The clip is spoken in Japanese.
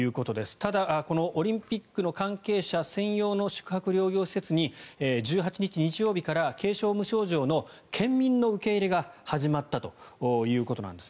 ただこのオリンピックの関係者専用の宿泊療養施設に１８日、日曜日から軽症・無症状の県民の受け入れが始まったということなんです。